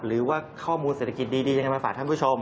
หรือว่าข้อมูลเศรษฐกิจดียังไงมาฝากท่านผู้ชม